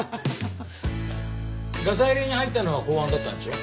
ガサ入れに入ったのは公安だったんでしょ？